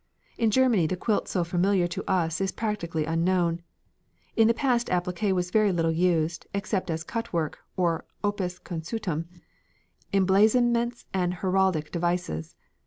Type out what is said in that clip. In Germany the quilt so familiar to us is practically unknown. In the past appliqué was very little used, except as cut work, or opus consutum, in blazonments and heraldic devices.